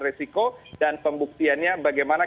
resiko dan pembuktiannya bagaimana